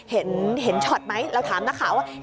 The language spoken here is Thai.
เห็นช็อตไหมเราถามนักข่าวว่า